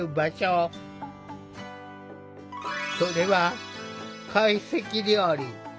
それは会席料理。